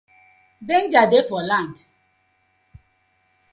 Danger dey for land.